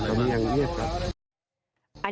ครั้งนี้ครับ